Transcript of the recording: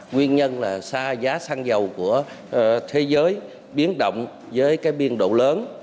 nguyên nhân là xa giá xăng dầu của thế giới biến động với cái biên độ lớn